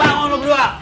wih bangun lu berdua